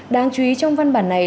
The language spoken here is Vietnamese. đáng chú ý trong văn bản này